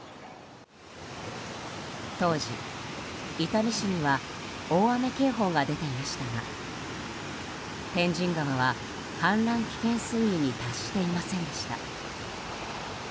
当時、伊丹市には大雨警報が出ていましたが天神川は、氾濫危険水位に達していませんでした。